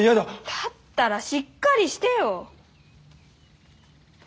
だったらしっかりしてよ。